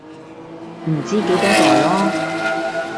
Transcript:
唔知幾多代囉